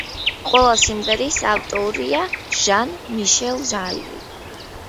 ყველა სიმღერის ავტორია ჟან-მიშელ ჟარი.